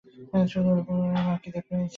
অপু আসিয়া বলিল, মা, খিদে পেয়েছে!